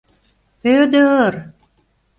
Пӧды-ыр!..